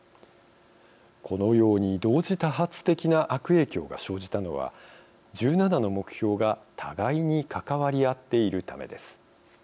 このように、同時多発的な悪影響が生じたのは１７の目標が互いに関わり合っているためです。